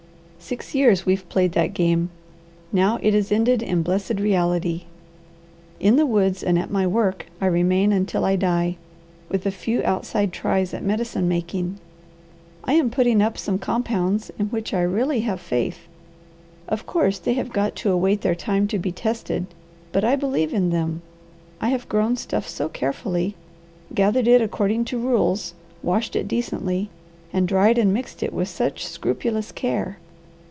Six years we've played that game; now it is ended in blessed reality. In the woods and at my work I remain until I die, with a few outside tries at medicine making. I am putting up some compounds in which I really have faith. Of course they have got to await their time to be tested, but I believe in them. I have grown stuff so carefully, gathered it according to rules, washed it decently, and dried and mixed it with such scrupulous care.